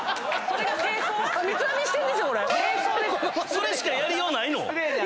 それしかやりようないの？